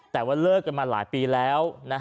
แต่ว่าเลิกกันมาหลายปีแล้ว